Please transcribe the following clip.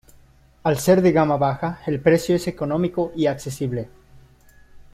Al ser de gama baja, el precio es económico y accesible.